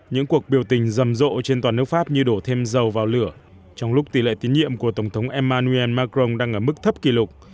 những cuộc biểu tình rầm rộ trên toàn nước pháp như đổ thêm dầu vào lửa trong lúc tỷ lệ tín nhiệm của tổng thống emmanuel macron đang ở mức thấp kỷ lục